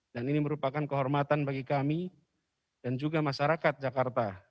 dan ini merupakan kehormatan bagi kami dan juga masyarakat jakarta